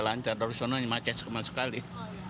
lebih macet parah